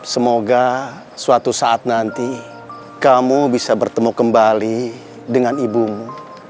semoga suatu saat nanti kamu bisa bertemu kembali dengan ibumu